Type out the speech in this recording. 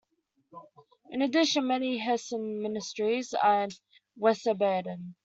In addition, many Hessian ministries are in Wiesbaden.